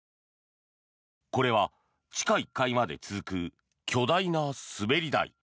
これは地下１階まで続く巨大な滑り台。